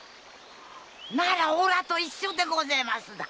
ならおらと一緒でごぜえますだ。